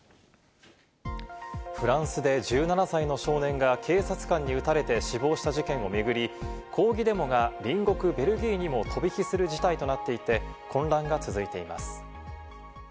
フランスで１７歳の少年が警察官に撃たれて死亡した事件を巡り、抗議デモが隣国ベルギーにも飛び火する事態となっていて、混乱が続いています。